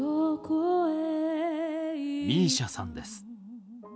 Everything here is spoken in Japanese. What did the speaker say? ＭＩＳＩＡさんです。